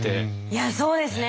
いやそうですね。